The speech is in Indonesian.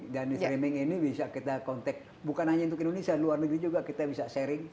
dan di streaming ini bisa kita kontak bukan hanya untuk indonesia luar negeri juga kita bisa sharing